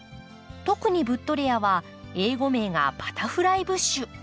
特にブッドレアは英語名がバタフライブッシュ。